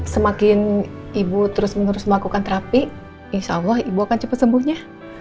semakin ibu terus menerus melakukan terapi insya allah ibu akan cepat sembuhnya